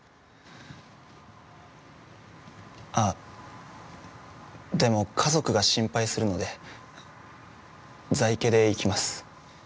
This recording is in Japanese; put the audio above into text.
あっでも家族が心配するので在家で行きます。